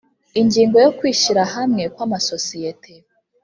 Ingingo ya ukwishyira hamwe kw amasosiyete